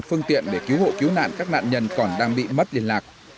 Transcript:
phương tiện để cứu hộ cứu nạn các nạn nhân còn đang bị mất liên lạc